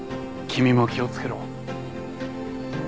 君も気をつけろ。